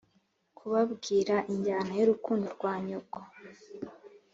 kubabwira injyana y'urukundo rwa nyoko